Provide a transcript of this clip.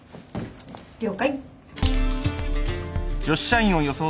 了解。